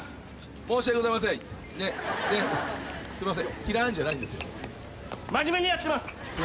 申し訳ございません。